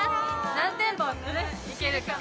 何店舗行けるか？